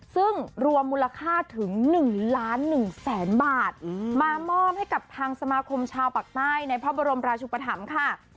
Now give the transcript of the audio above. ซึ่งรวมมูลค่าถึง๑ล้าน๑แสนบาทมามอบให้กับทางสมาคมชาวปากใต้ในพระบรมราชุปธรรมค่ะ